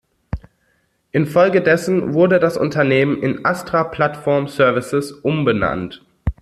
Infolgedessen wurde das Unternehmen in Astra Platform Services umbenannt.